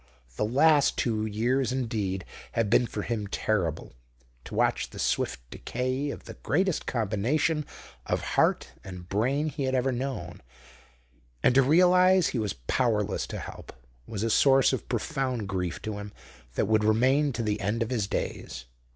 The last two years, indeed, had been for him terrible. To watch the swift decay of the greatest combination of heart and brain he had ever known, and to realize he was powerless to help, was a source of profound grief to him that would remain to the end of his days.